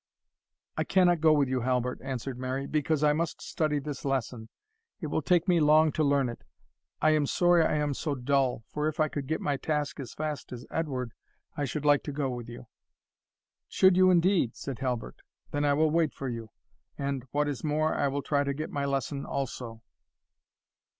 "I cannot go with you, Halbert," answered Mary, "because I must study this lesson it will take me long to learn it I am sorry I am so dull, for if I could get my task as fast as Edward, I should like to go with you." "Should you indeed?" said Halbert; "then I will wait for you and, what is more, I will try to get my lesson also."